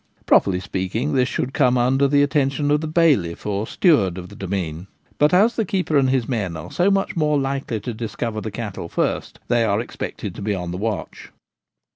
Properly speaking, this should come under the attention of the bailiff or steward of the demesne ; but as the keeper and his men are so much more likely to discover the cattle first, they are expected to be on the watch.